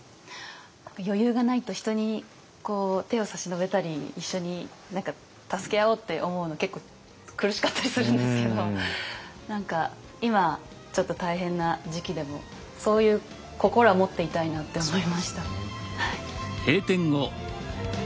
余裕がないと人に手を差し伸べたり一緒に助け合おうって思うの結構苦しかったりするんですけど何か今ちょっと大変な時期でもそういう心は持っていたいなって思いました。